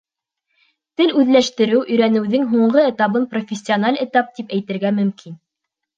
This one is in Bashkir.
Тел үҙләштереү, өйрәнеүҙең һуңғы этабын профессиональ этап тип әйтергә мөмкин.